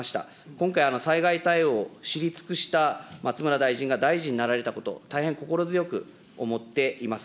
今回、災害対応を知り尽くした松村大臣が大臣になられたこと、大変心強く思っています。